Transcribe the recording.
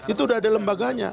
itu udah ada lembaganya